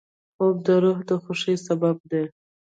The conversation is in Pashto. خوب د روح د خوښۍ سبب دی